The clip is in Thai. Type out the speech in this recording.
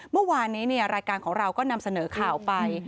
เมื่อวานนี้รายการของเราก็นำเสนอข่าวไป